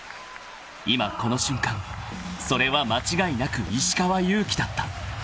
［今この瞬間それは間違いなく石川祐希だった］